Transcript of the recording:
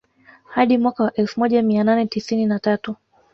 Hadi mwaka wa elfu moja mia nane tisini na tatu